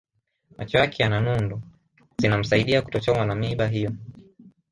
Macho yake yana nundu zinamsaidia kutochomwa na miiba hiyo